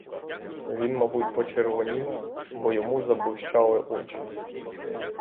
Він, мабуть, почервонів, бо йому заблищали очі.